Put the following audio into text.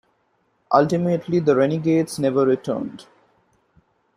Ultimately, the Renegades never returned.